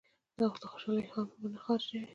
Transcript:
او د خوشالۍ هارمون به نۀ خارجوي -